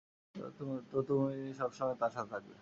তো তুমি সবসময় তার সাথে থাকবে।